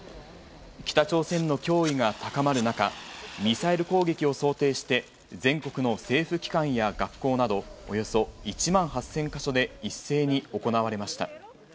北朝鮮の脅威が高まる中、ミサイル攻撃を想定して、全国の政府機関や学校など、およそ１万８０００か所で一斉に行われました。